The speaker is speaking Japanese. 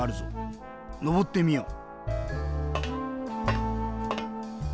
のぼってみよう。